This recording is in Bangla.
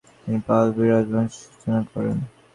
তিনি পাহলভী রাজবংশের সূচনা করেন।